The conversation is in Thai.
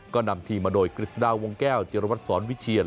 ก็นำทีมมาโดยกฤษฎาวงแก้วจิรวัตรสอนวิเชียน